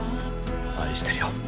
愛してるよ。